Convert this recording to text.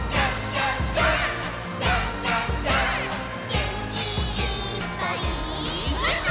「げんきいっぱいもっと」